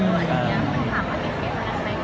มีโครงการทุกทีใช่ไหม